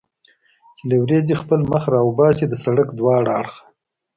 چې له ورېځې خپل مخ را وباسي، د سړک دواړه اړخه.